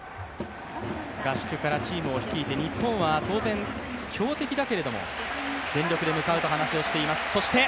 合宿からチームを率いて日本は当然強敵だけれども、全力で向かうと話しています。